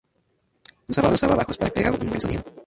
La banda usaba bajos para crear un buen sonido.